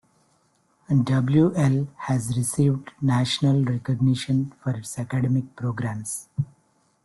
W-L has received national recognition for its academic programs.